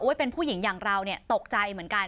เป็นผู้หญิงอย่างเราเนี่ยตกใจเหมือนกัน